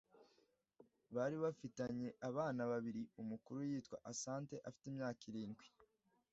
bari bafitanye abana babiri umukuru yitwa Asante afite imyaka irindwi